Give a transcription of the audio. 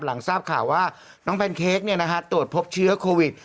หลังทราบข่าวว่าน้องแพนเค้กตรวจพบเชื้อโควิด